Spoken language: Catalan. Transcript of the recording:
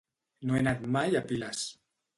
No he anat mai a Piles.